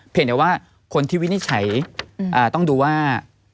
แต่ว่าคนที่วินิจฉัยต้องดูว่า